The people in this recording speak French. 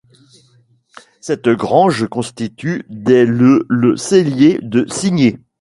Cette grange constitue dès le le cellier de Signy.